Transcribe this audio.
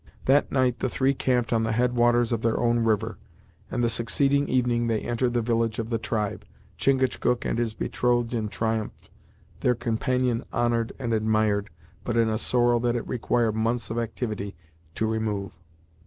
That night the three camped on the head waters of their own river, and the succeeding evening they entered the village of the tribe, Chingachgook and his betrothed in triumph; their companion honored and admired, but in a sorrow that it required months of activity to remove.